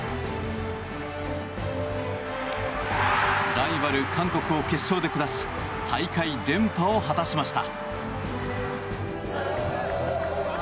ライバル韓国を決勝で下し大会連覇を果たしました。